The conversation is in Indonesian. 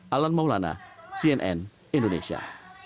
alan maulana cnn indonesia